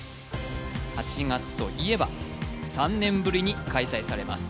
８月といえば３年ぶりに開催されます